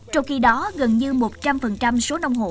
trong khi đó gần như một trăm linh số nông hộ